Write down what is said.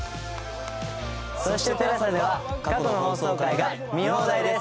そしてＴＥＬＡＳＡでは過去の放送回が見放題です。